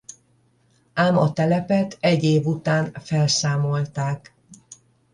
Ám a telepet egy év után felszámolták.